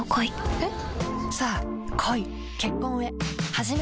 えっ⁉